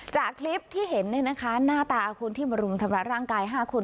จากคลิปที่เห็นเนี่ยนะคะหน้าตาคนที่มารุมทำรับร่างกาย๕คน